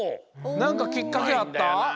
なんかきっかけあった？